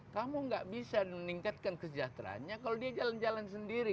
kamu nggak bisa meningkatkan kesejahteraannya kalau dia jalan jalan sendiri